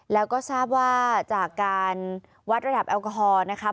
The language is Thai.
แล้วก็ทราบว่าจากการวัดระดับแอลกอฮอล์นะคะ